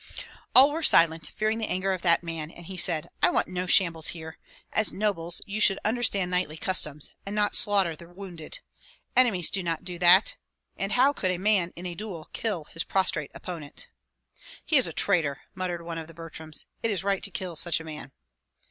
All were silent, fearing the anger of that man; and he said: "I want no shambles here! As nobles you should understand knightly customs, and not slaughter the wounded. Enemies do not do that, and how could a man in a duel kill his prostrate opponent?" "He is a traitor!" muttered one of the Butryms. "It is right to kill such a man."